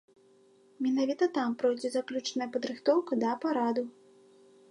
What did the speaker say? Менавіта там пройдзе заключная падрыхтоўка да параду.